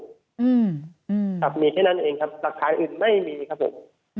ครับมีแค่นั้นเองครับหลักฐานอื่นไม่มีครับผม